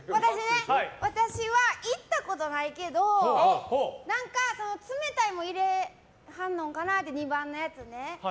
私は行ったことないけど何か冷たい物入れはんのんかなって２番のやつね。